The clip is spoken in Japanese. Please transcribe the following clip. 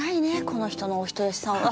この人のお人好しさは。